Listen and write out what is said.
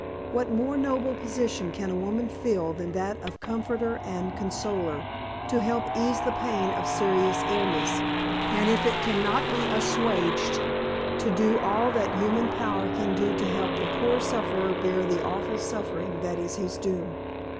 What more noble position can a woman fill than that of comforter and consoler, to help ease the pain of serious illness, and, if it can not be assuaged, to do all that human power can do to help the poor sufferer bear the awful suffering that is his doom!